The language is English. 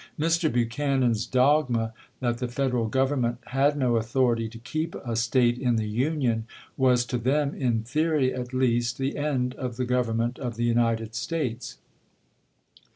Mr. Buchanan's dogma that the Federal Government had no authority to keep a State in the Union was to them, in theory at least, the end of the Grovern * 266 EUEOPEAN NEUTKALITY 267 ment of the United States.